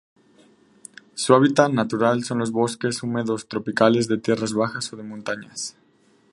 Su hábitat natural son los bosques húmedos tropicales de tierras bajas o de montañas.